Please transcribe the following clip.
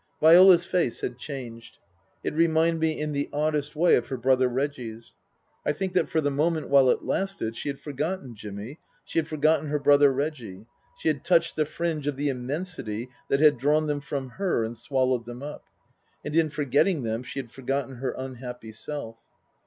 Viola's face had changed. It reminded me in the oddest way of her brother Reggie's. I think that for the moment, while it lasted, she had forgotten Jimmy, she had forgotten her brother Reggie ; she had touched the fringe of the immensity that had drawn them from her and swallowed them up. And in forgetting them she had forgotten her unhappy self.